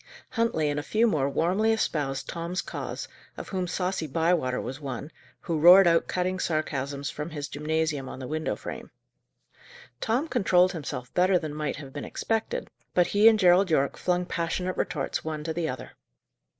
Huntley and a few more warmly espoused Tom's cause, of whom saucy Bywater was one, who roared out cutting sarcasms from his gymnasium on the window frame. Tom controlled himself better than might have been expected, but he and Gerald Yorke flung passionate retorts one to the other.